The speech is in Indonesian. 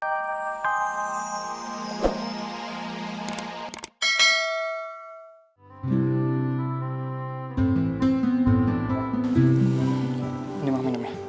ini mak minum ya